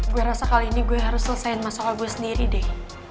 gue rasa kali ini gue harus selesaiin masalah gue sendiri deh